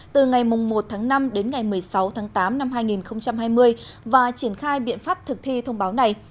từ ngày một tháng năm đến ngày một mươi sáu tháng tám năm hai nghìn hai mươi và triển khai biện pháp thực thi thông báo này